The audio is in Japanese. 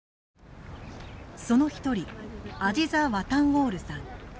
その一人アジザ・ワタンウォールさん。